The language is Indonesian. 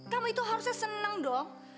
kamu itu harusnya senang dong